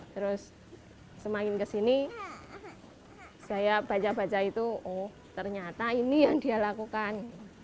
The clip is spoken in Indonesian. terus semakin kesini saya baca baca itu oh ternyata ini yang dia lakukan